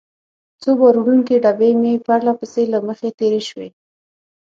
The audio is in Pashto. څو بار وړونکې ډبې مې پرله پسې له مخې تېرې شوې.